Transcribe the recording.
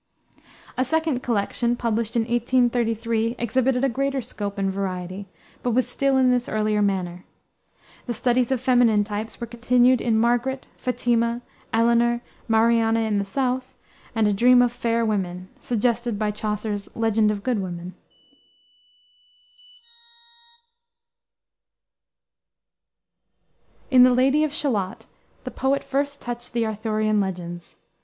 A second collection, published in 1833, exhibited a greater scope and variety, but was still in his earlier manner. The studies of feminine types were continued in Margaret, Fatima, Eleanore, Mariana in the South, and A Dream of Fair Women, suggested by Chaucer's Legend of Good Women. In the Lady of Shalott, the poet first touched the Arthurian legends.